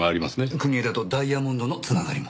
国枝とダイヤモンドの繋がりも。